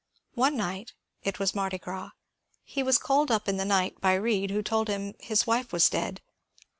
One night — it was Mardigras — he was called up in the night by Bead, who told him his wife was dead.